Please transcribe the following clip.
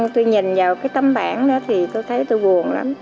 tôi nhìn vào cái tấm bản đó thì tôi thấy tôi buồn lắm